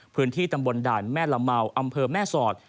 พื้นที่ตำบลด่านแม่ละเมาอำเภอแม่สอด